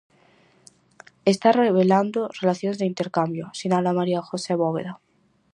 "Está revelando relacións de intercambio", sinala María José Bóveda.